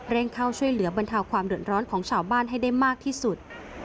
เข้าช่วยเหลือบรรเทาความเดือดร้อนของชาวบ้านให้ได้มากที่สุด